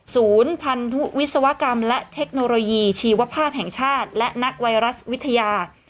ศูนย์พันธุวิศวกรรมและเทคโนโลยีชีวภาพแห่งชาติและนักไวรัสวิทยา